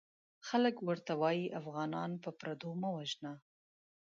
خلک ورته وايي افغانان په پردو مه وژنه!